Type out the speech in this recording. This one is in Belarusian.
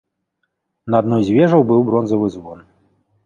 На адной з вежаў быў бронзавы звон.